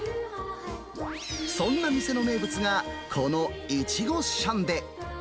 そんな店の名物が、このイチゴシャンデ。